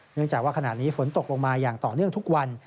เนื่องจากว่าขณะนี้ฝนตกลงมาอย่างต่อเนื่องทุกวัน